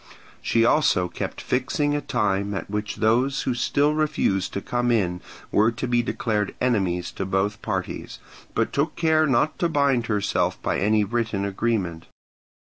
She also kept fixing a time at which those who still refused to come in were to be declared enemies to both parties, but took care not to bind herself by any written agreement.